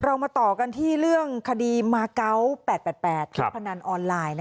เรามาต่อกันที่เรื่องคดีมาเกาะ๘๘พนันออนไลน์